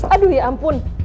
aduh ya ampun